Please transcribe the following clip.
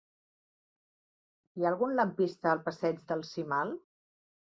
Hi ha algun lampista al passeig del Cimal?